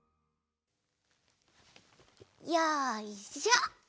よいしょ！